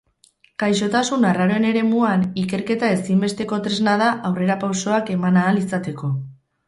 Gaixotasun arraroen eremuan, ikerketa ezinbesteko tresna da aurrerapausoak eman ahal izateko.